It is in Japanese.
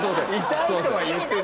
痛いとは言ってないよ。